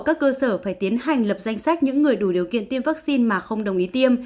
các cơ sở phải tiến hành lập danh sách những người đủ điều kiện tiêm vaccine mà không đồng ý tiêm